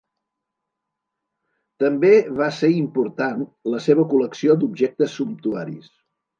També va ser important la seva col·lecció d'objectes sumptuaris.